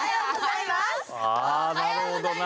あなるほどな。